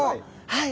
はい。